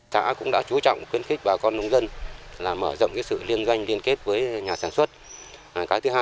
xã cũng đã chú trọng khuyên khích bà con nông dân mở rộng sự liên doanh liên kết với nhà sản xuất